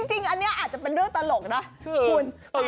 จริงอันนี้อาจจะเป็นเรื่องตลกนะคุณ